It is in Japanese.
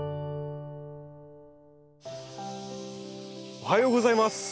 おはようございます。